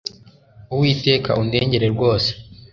uwiteka undengere rwose